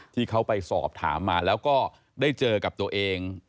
ที่เขาไปสอบถามมาแล้วก็ได้เจอกับตัวเอง